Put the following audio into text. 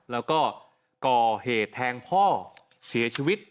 แล้วก็ก่อเหตุแทงพ่อเสียชีวิต